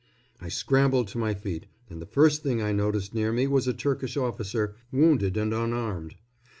I scrambled to my feet, and the first thing I noticed near me was a Turkish officer, wounded and unarmed.